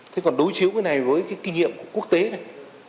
thế còn đối chiếu cái này với cái kinh nghiệm của quốc tế này